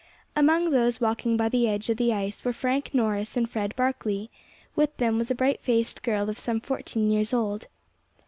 Among those walking by the edge of the ice were Frank Norris and Fred Barkley; with them was a bright faced girl of some fourteen years old.